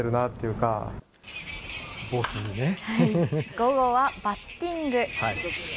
午後はバッティング。